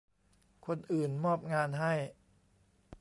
คนอื่นมอบงานให้